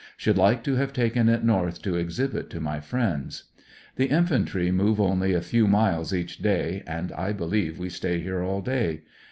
Should like to have taken it North to exhibit to my friends. The infantry move only a few miles each daj^ and I believe we stay here all day.